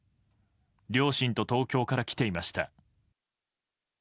両親と東京から来ていました。